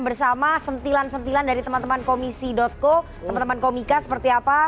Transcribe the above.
bersama sentilan sentilan dari teman teman komisi co teman teman komika seperti apa